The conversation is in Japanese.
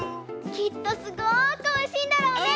きっとすごくおいしいんだろうね。